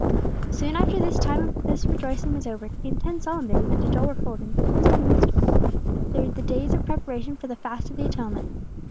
Soon after the time of this rejoicing was over, came ten solemn days that to Joel were full of interest and mystery. They were the days of preparation for the Fast of the Atonement.